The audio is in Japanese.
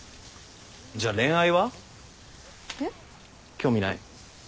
興味ない？